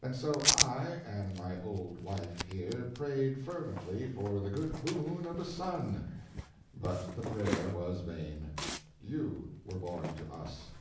And so I, and my old wife here, prayed fervently for the good boon of a son, but the prayer was vain. You were born to us.